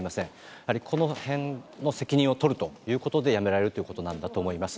やっぱりこのへんの責任を取るということで辞められるということなんだと思います。